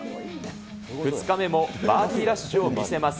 ２日目もバーディーラッシュを見せます。